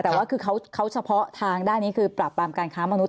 แต่ว่าคือเขาเฉพาะทางด้านนี้คือปราบปรามการค้ามนุษ